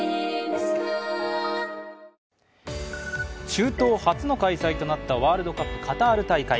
中東初の開催となったワールドカップカタール大会。